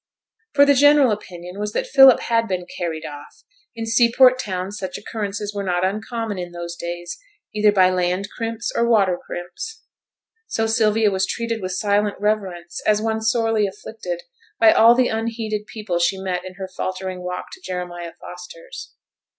For the general opinion was that Philip had been 'carried off' in seaport towns such occurrences were not uncommon in those days either by land crimps or water crimps. So Sylvia was treated with silent reverence, as one sorely afflicted, by all the unheeded people she met in her faltering walk to Jeremiah Foster's.